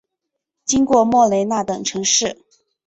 经过莫雷纳等城市。